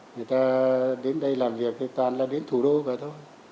người ta đến đây làm việc thì toàn là đến thủ đô vậy thôi